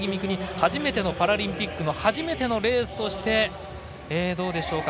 初めてのパラリンピックの初めてのレースとしてどうでしょうか。